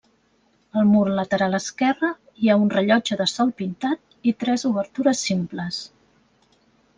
Al mur lateral esquerre hi ha un rellotge de sol pintat i tres obertures simples.